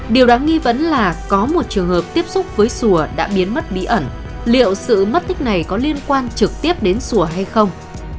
điều đáng nghi vấn là có một trường hợp tiếp xúc với sùa đã biến mất bí ẩn liệu sự mất tích này có liên quan trực tiếp đến xùa hay không